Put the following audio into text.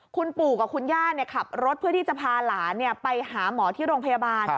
คุณปู่กับคุณย่าขับรถเพื่อที่จะพาหลานไปหาหมอที่โรงพยาบาล